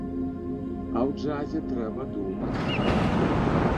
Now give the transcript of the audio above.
А ў джазе трэба думаць!